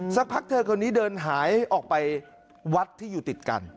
สักพักเธอคนนี้เดินหายออกไปวัดที่อยู่ติดกัน